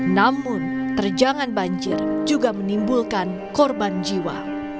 namun terjangan banjir juga menimbulkan korban jiwa